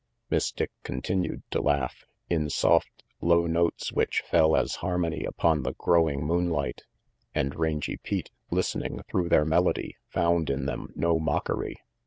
Miss Dick continued to laugh, in soft, low notes which fell as harmony upon the growing moonlight; and Rangy Pete, listening through their melody, found in them no mockery.